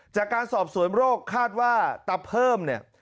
จากการสอบสวนโรคคาดว่าตะเพิ่มเนี่ย